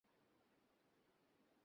Police আসামী এবং সাক্ষী লইয়া আদালতে হাজির।